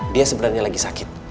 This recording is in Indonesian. dia sebenarnya lagi sakit